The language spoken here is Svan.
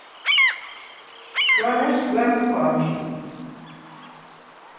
შუ̂ანა̈რს გუ̂ა̈მთქუ̂ა ამჟინ.